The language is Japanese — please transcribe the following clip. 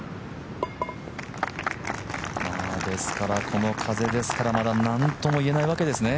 この風ですからまだ何とも言えないわけですね。